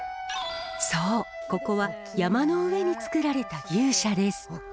そうここは山の上につくられた牛舎です。